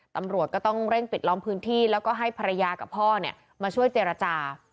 ตำรวจก็ต้องเร่งปิดล้อมพื้นที่แล้วก็ให้ภรรยากับพ่อมาช่วยเจรจา